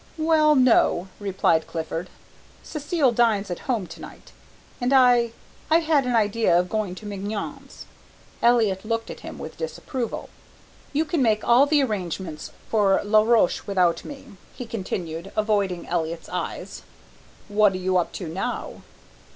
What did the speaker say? "Well, no," replied Clifford. "Cécile dines at home to night, and I I had an idea of going to Mignon's." Elliott looked at him with disapproval. "You can make all the arrangements for La Roche without me," he continued, avoiding Elliott's eyes. "What are you up to now?"